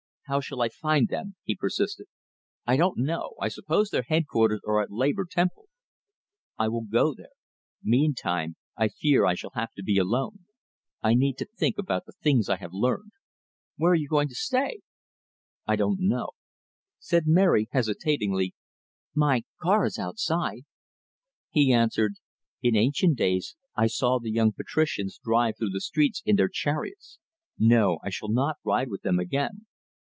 "How shall I find them?" he persisted. "I don't know; I suppose their headquarters are at the Labor Temple." "I will go there. Meantime, I fear I shall have to be alone. I need to think about the things I have learned." "Where are you going to stay?" "I don't know." Said Mary, hesitatingly: "My car is outside " He answered: "In ancient days I saw the young patricians drive through the streets in their chariots; no, I shall not ride with them again."